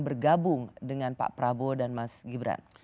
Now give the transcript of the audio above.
bergabung dengan pak prabowo dan mas gibran